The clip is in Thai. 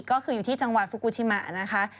ก็คืออยู่ที่จังหวัดฟุกูชิมะนะคะ